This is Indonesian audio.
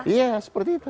iya seperti itu